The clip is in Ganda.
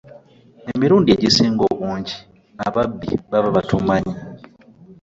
Emirundi egisinga obungi ababbi baba batumanyi.